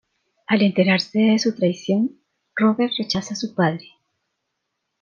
Al enterarse de su traición, Robert rechaza a su padre.